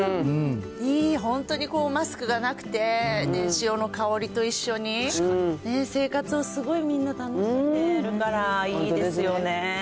いい、本当にマスクがなくて、潮の香りと一緒に、生活をすごいみんな楽しんでるから、いいですよね。